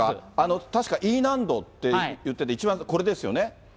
確かＥ難度って言ってて、一番、これですよね。